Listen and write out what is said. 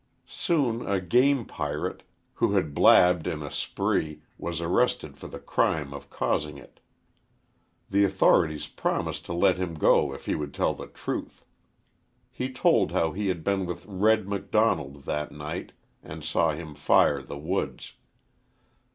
Soon a "game pirate," who had "blabbed" in a spree, was arrested for the crime of causing it. The authorities promised to let him go if he would tell the truth. He told how he had been with "Red" Macdonald that night and saw him fire the woods.